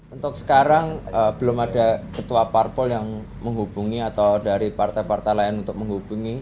untuk sekarang belum ada ketua parpol yang menghubungi atau dari partai partai lain untuk menghubungi